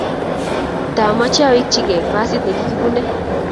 taameche awekchikei pasi nekipunei